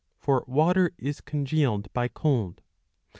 For water is con gealed by cold.